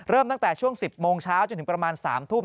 ตั้งแต่ช่วง๑๐โมงเช้าจนถึงประมาณ๓ทุ่ม